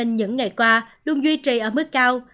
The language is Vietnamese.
những ngày qua luôn duy trì ở mức cao